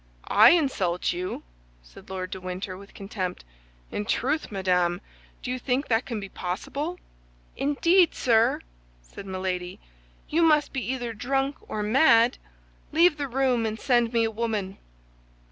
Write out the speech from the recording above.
"I insult you!" said Lord de Winter, with contempt. "In truth, madame, do you think that can be possible?" "Indeed, sir," said Milady, "you must be either drunk or mad. Leave the room, and send me a woman."